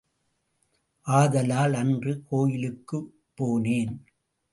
ஆதலால் அன்று கோயிலுக்குப் போனேன்.